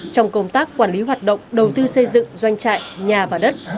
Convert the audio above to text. trong công tác quản lý hoạt động đầu tư xây dựng doanh trại nhà và đất